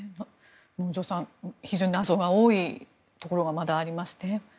能條さん、非常に謎が多いところがまだありますね。